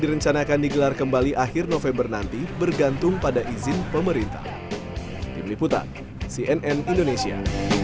direncanakan digelar kembali akhir november nanti bergantung pada izin pemerintah di meliputan cnn indonesia